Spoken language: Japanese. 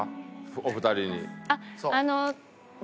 お二人に。